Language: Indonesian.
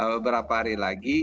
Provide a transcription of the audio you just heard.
beberapa hari lagi